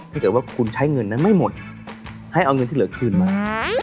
ถ้าเกิดว่าคุณใช้เงินนั้นไม่หมดให้เอาเงินที่เหลือคืนมา